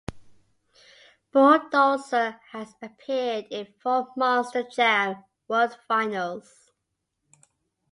Bulldozer has appeared in four Monster Jam World Finals.